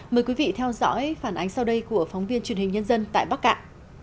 mời quý vị theo dõi phản ánh sau đây của phóng viên truyền hình nhân dân tại bắc cạn